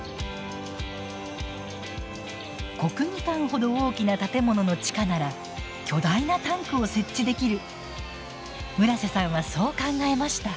国技館ほど大きな建物の地下なら巨大なタンクを設置できる村瀬さんはそう考えました。